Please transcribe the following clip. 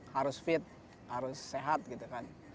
harus fit harus sehat gitu kan